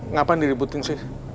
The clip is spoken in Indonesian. ngapain diributin sih